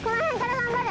頑張れ！